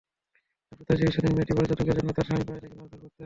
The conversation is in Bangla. হাসপাতালে চিকিৎসাধীন মেয়েটি বলে, যৌতুকের জন্য তার স্বামী প্রায়ই তাকে মারধর করতেন।